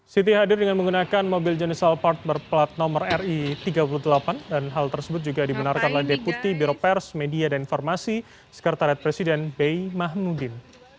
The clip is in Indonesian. siti hadir dengan menggunakan mobil jenis alphard berplat nomor ri tiga puluh delapan dan hal tersebut juga dibenarkan oleh deputi biro pers media dan informasi sekretariat presiden bey mahmudin